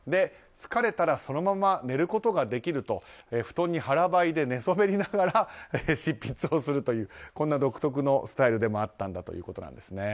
疲れたらそのまま寝ることができると布団に腹ばいで寝そべりながら執筆をするというこんな独特のスタイルでもあったということです。